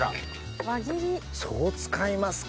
そう使いますか。